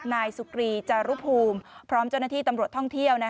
นายสุกรีจารุภูมิพร้อมเจ้าหน้าที่ตำรวจท่องเที่ยว